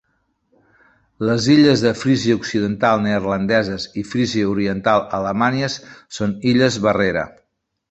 Les illes de Frísia occidental neerlandeses i Frísia oriental alemanyes són illes barrera.